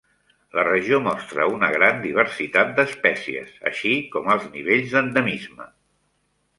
La regió mostra una gran diversitat d'espècies, així com alts nivells d'endemisme.